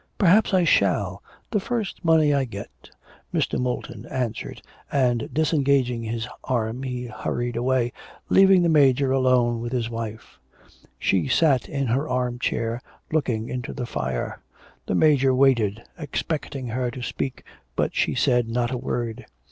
'Perhaps I shall ... the first money I get,' Mr. Moulton answered, and disengaging his arm he hurried away, leaving the Major alone with his wife. She sat in her arm chair looking into the fire. The Major waited, expecting her to speak, but she said not a word.